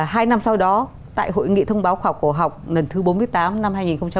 hai năm sau đó tại hội nghị thông báo khảo cổ học lần thứ bốn mươi tám năm hai nghìn một mươi chín